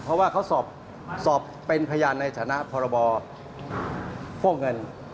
เพราะว่าเขาสอบเป็นพยานในฐานะพรบฟ่องเงิน